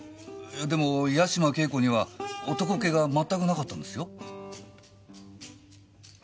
でも八島景子には男っ気がまったくなかったんですよ？